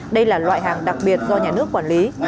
đây là loại hàng đặc biệt do nhà nước quản lý